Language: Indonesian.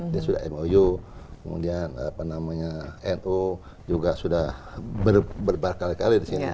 dia sudah mou kemudian nu juga sudah berbagai kali di sini